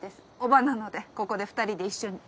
叔母なのでここで２人で一緒に。